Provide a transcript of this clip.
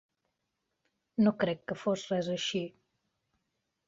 No crec que fos res així.